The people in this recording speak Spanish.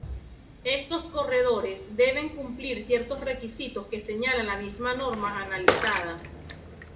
Estos corredores deben cumplir ciertos requisitos que señala la misma norma analizada.